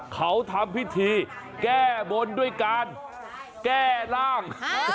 เขาทำพิธีแก้บนด้วยการแก้ร่าง